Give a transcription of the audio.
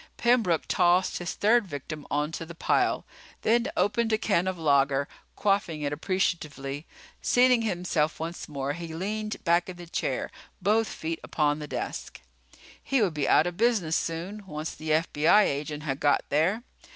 Pembroke tossed his third victim onto the pile, then opened a can of lager, quaffing it appreciatively. Seating himself once more, he leaned back in the chair, both feet upon the desk. He would be out of business soon, once the FBI agent had got there.